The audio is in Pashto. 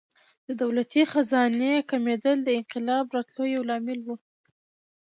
د دولتي خزانې کمېدل د انقلاب راتلو یو لامل و.